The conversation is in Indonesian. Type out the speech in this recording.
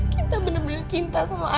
gita bener bener cinta sama arka ma